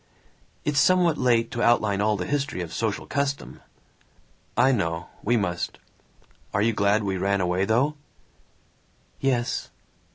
"It's somewhat late to outline all the history of social custom!" "I know. We must. Are you glad we ran away though?" "Yes."